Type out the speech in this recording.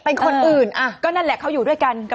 ปรากฏว่าสิ่งที่เกิดขึ้นคลิปนี้ฮะ